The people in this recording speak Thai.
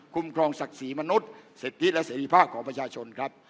คุมครองศักดิ์ศรีมนุษย์เศรษฐกิจและเศรษฐีภาคของประชาชนครับ